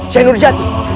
saya nur jati